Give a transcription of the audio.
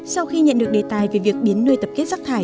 sau khi nhận được đề tài về việc biến nơi tập kết rác thải